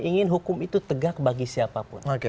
ingin hukum itu tegak bagi siapapun